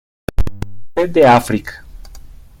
Noroeste de África.